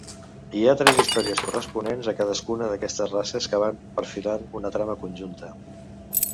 Hi ha tres històries corresponents a cadascuna d'aquestes races que van perfilant una trama conjunta.